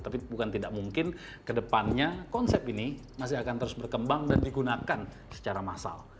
tapi bukan tidak mungkin kedepannya konsep ini masih akan terus berkembang dan digunakan secara massal